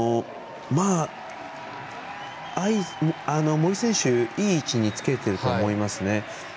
森選手、いい位置につけてると思いますね。